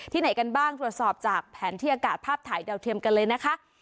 ไหนกันบ้างตรวจสอบจากแผนที่อากาศภาพถ่ายดาวเทียมกันเลยนะคะ